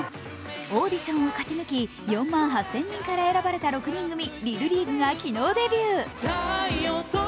オーディションを勝ち抜き４万８０００人から選ばれた６人組ＬＩＬＬＥＡＧＵＥが昨日デビュー。